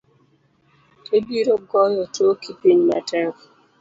Ibiro goyo toki piny matek.